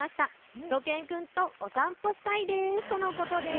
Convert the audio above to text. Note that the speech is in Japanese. しゅと犬くんとお散歩したいですとのことです。